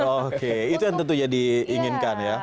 oke itu yang tentunya diinginkan ya